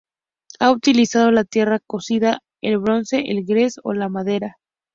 Ha utilizado la tierra cocida, el bronce, el gres, o la madera.